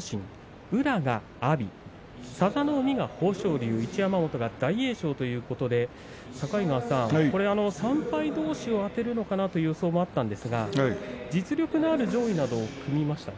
心宇良は阿炎佐田の海は豊昇龍一山本は大栄翔ということで境川さん、３敗どうしを当てるのかなという予想もあったんですが実力のある上位とを組みましたね。